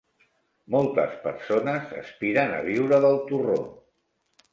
Moltes persones aspiren a viure del torró.